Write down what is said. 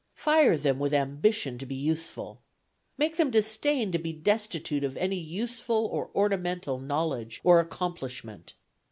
Fire them with ambition to be useful. Make them disdain to be destitute of any useful or ornamental knowledge or accomplishment.